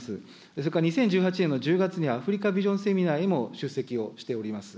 それから２０１８年の月にはアフリカビジョンセミナーにも出席をしております。